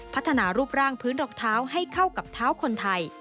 พัฒนารูปร่างพื้นดอกเท้าให้เข้ากับเท้าคนไทย